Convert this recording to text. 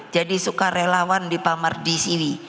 jadi suka relawan di pamar di siwi